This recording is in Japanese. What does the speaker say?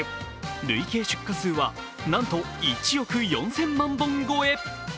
累計出荷数はなんと、１億４０００万本超え。